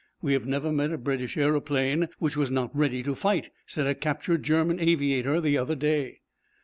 'We have never met a British aeroplane which was not ready to fight,' said a captured German aviator the other day.